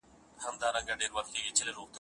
د زربفتو ډولۍ مخکې شوه روانه